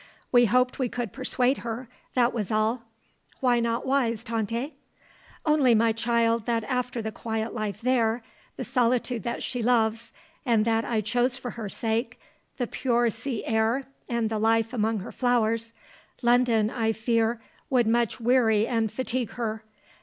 We hoped we could persuade her, that was all. Why not wise, Tante?" "Only, my child, that after the quiet life there, the solitude that she loves and that I chose for her sake, the pure sea air and the life among her flowers, London, I fear, would much weary and fatigue her.